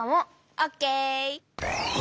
オッケー！